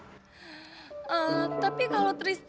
eee tapi kalo tristan malah jadi bangunan om akan tegor tristan